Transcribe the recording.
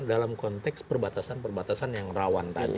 dalam konteks perbatasan perbatasan yang rawan tadi